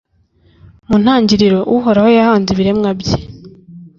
Mu ntangiriro, Uhoraho yahanze ibiremwa bye,